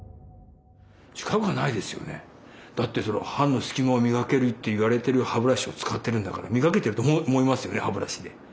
だって歯のすき間を磨けるといわれてる歯ブラシを使ってるんだから磨けてると思いますよね歯ブラシで。